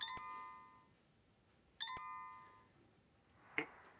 「えっ？